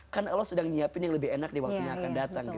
kan allah sedang nyiapin yang lebih enak di waktu yang akan datang